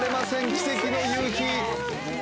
奇跡の夕日。